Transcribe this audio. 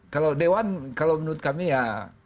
kalau dewan kalau menurut kami ya